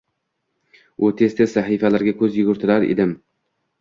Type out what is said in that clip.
U tez-tez sahifalargga koʻz yugurtirar edim